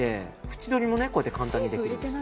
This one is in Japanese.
縁取りも簡単にできるんです。